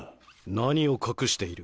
何を隠している？